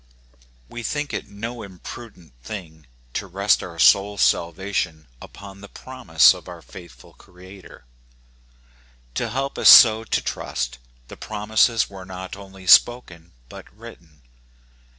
We think it no imprudent thing to rest our souFs salvation upon the prom ise of our faithful Creator. To help us so to trust, the promises were not only spoken but written.